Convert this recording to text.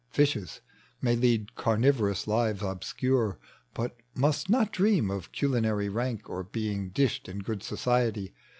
Pishes maj' lead carnivorous lives obscure. But must not dream of cnlinarj' rank Or being dished in good society.